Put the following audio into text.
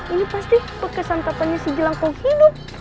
ini pasti pekesan tatanya si jelangkau hidup